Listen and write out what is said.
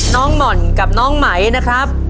หม่อนกับน้องไหมนะครับ